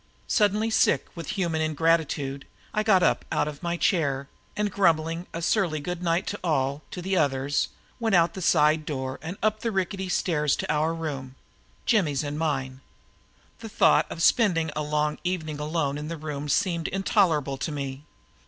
Suddenly sick with human ingratitude, I got out of my chair and, grumbling a surly "good night, all" to the others, went out the side door and up the rickety stairs to our room Jimmy's and mine. The thought of spending a long evening alone in the room seemed intolerable to me.